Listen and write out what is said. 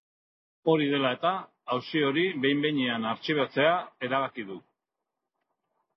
Hori dela eta, auzi hori behin-behinean artxibatzea erabaki du.